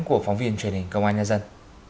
của phóng viên truyền hình công an nhà dân